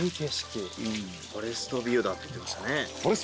フォレストビューだって言ってましたね。